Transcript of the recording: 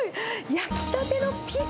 焼きたてのピザ。